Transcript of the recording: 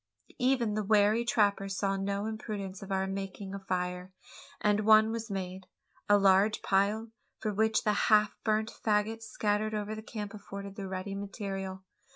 Even the wary trapper saw no imprudence in our making a fire, and one was made a large pile, for which the half burnt faggots scattered over the camp afforded the ready material.